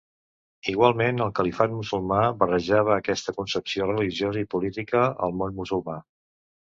Igualment el califat musulmà barrejava aquesta concepció religiosa i política al món musulmà.